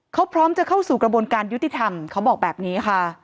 เขาพร้อมจะเข้าสู่กระบวนการยุติธรรมเขาบอกแบบนี้ค่ะ